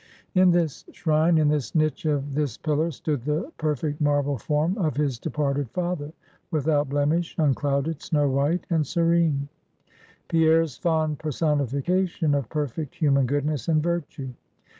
In this shrine, in this niche of this pillar, stood the perfect marble form of his departed father; without blemish, unclouded, snow white, and serene; Pierre's fond personification of perfect human goodness and virtue.